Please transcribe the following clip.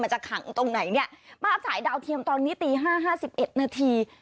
จะขังตรงไหนเนี่ยภาพถ่ายดาวเทียมตอนนี้ตีห้าห้าสิบเอ็ดนาที